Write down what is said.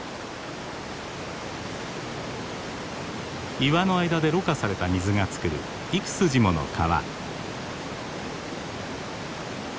岩の間でろ過された水がつくる幾筋もの川。